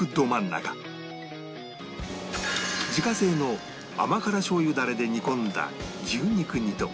自家製の甘辛しょう油ダレで煮込んだ牛肉煮と